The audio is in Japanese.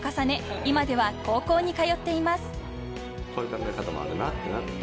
今では高校に通っています］